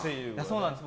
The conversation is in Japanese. そうなんです。